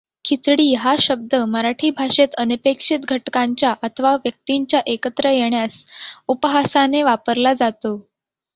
खिचडी हा शब्द मराठी भाषेत अनपेक्षित घटकांच्या अथवा व्यक्तींच्या एकत्र येण्यास उपहासाने वापरला जातो.